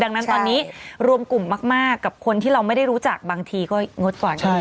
ดังนั้นตอนนี้รวมกลุ่มมากกับคนที่เราไม่ได้รู้จักบางทีก็งดก่อน